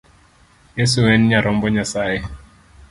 Yeso en nyarombo Nyasaye.